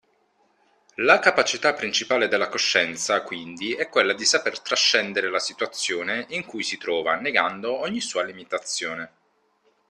La capacità principale della coscienza quindi è quella di saper trascendere la situazione in cui si trova negando ogni sua limitazione.